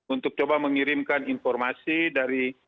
untuk coba mengirimkan informasi dari